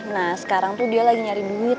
nah sekarang tuh dia lagi nyari duit